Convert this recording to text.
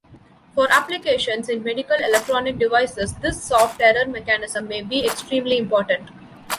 For applications in medical electronic devices this soft error mechanism may be extremely important.